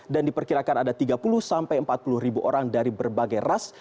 dan diperkirakan ada tiga puluh empat puluh ribu orang dari berbagai ras